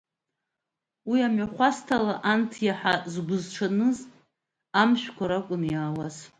Уи амҩахәасҭала анҭ иаҳа згәы зҽаныз амшәқәа ракәын иаауаз.